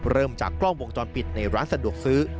เริ่มจากกล้องวงจรปิดในร้านสะดวกซื้อ